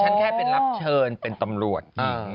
แค่เป็นรับเชิญเป็นตำรวจ